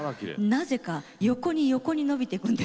なぜか横に横に伸びていくんですけど。